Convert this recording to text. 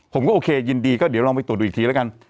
ผมก็โอเคยินดีก็เดี๋ยวลองไปตรวจดูอีกทีแล้วกัน